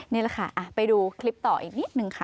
นี่แหละค่ะไปดูคลิปต่ออีกนิดนึงค่ะ